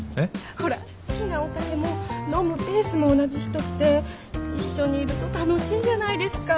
ほら好きなお酒も飲むペースも同じ人って一緒にいると楽しいじゃないですか。